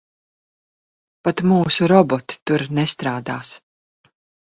Pat mūsu roboti tur nestrādās.